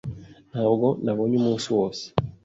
Ntabwo nabonye umunsi wose.